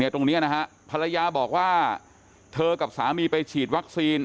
ตรงนี้นะฮะภรรยาบอกว่าเธอกับสามีไปฉีดวัคซีน